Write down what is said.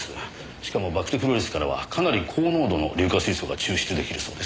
しかもバクテクロリスからはかなり高濃度の硫化水素が抽出できるそうです。